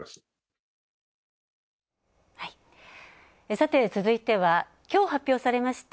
さて、続いては、きょう発表されました